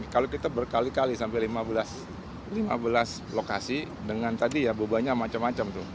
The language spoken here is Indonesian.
kalau kita berkali kali sampai lima belas lokasi dengan tadi ya bebannya macam macam tuh